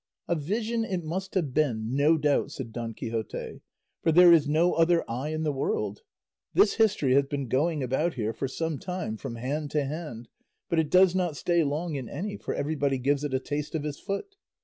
"A vision it must have been, no doubt," said Don Quixote, "for there is no other I in the world; this history has been going about here for some time from hand to hand, but it does not stay long in any, for everybody gives it a taste of his foot.